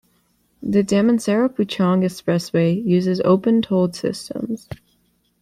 The Damansara-Puchong Expressway uses opened toll systems.